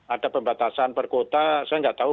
ada pembatasan per kuota saya nggak tahu